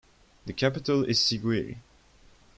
The capital is Siguiri.